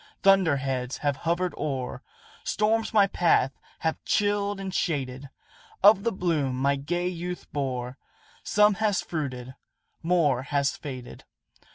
Thunder heads have hovered o'er Storms my path have chilled and shaded; Of the bloom my gay youth bore, Some has fruited more has faded."